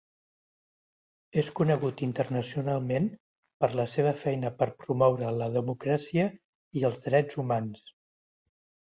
És conegut internacionalment per la seva feina per promoure la democràcia i els drets humans.